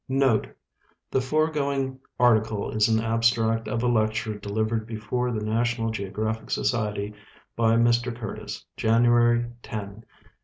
[Note — The foregoing article is an abstract of a lecture delivered before The National Geographic Society by Mr Curtis, January 10, 1896.